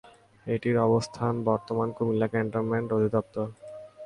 এটির অবস্থান বর্তমান কুমিল্লা ক্যান্টনমেন্ট অধিদপ্তর।